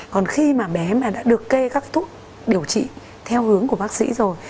còn khi mà bé mà đã được kê các thuốc điều trị theo hướng của bác sĩ rồi